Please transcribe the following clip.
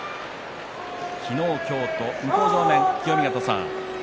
昨日今日と向正面の清見潟さん